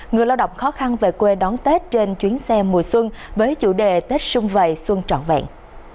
người lao động khó khăn về quê đón tết trên chuyến xe mùa xuân với chủ đề tết sung vầy xuân trọn vẹn